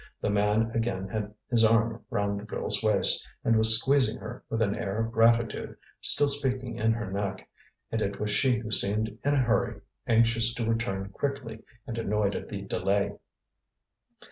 The man again had his arm round the girl's waist, and was squeezing her, with an air of gratitude, still speaking in her neck; and it was she who seemed in a hurry, anxious to return quickly, and annoyed at the delay.